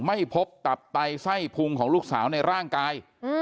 ไม่พบตับไตไส้พุงของลูกสาวในร่างกาย